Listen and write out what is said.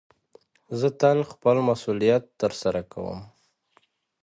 زه تل خپل مسئولیت ترسره کوم.